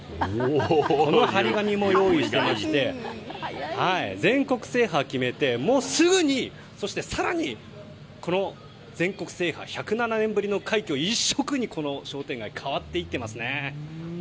この貼り紙も用意していまして全国制覇を決めてすぐにそして更に全国制覇１０７年ぶりの快挙一色にこの商店街変わっていってますね。